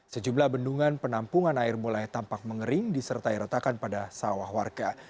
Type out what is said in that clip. sejumlah bendungan penampungan air mulai tampak mengering disertai retakan pada sawah warga